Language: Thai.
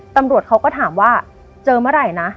ตำรวจเขาก็ถามว่าเจอเมื่อไหร่นะ